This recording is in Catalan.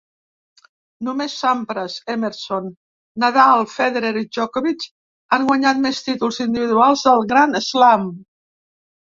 Només Sampras, Emerson, Nadal, Federer i Djokovic han guanyat més títols individuals del Grand Slam.